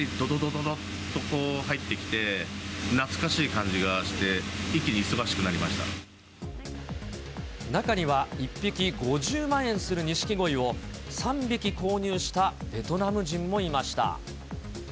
どっとこう、入ってきて、懐かしい感じがして、中には、１匹５０万円するニシキゴイを、３匹購入したベトナム人もいました。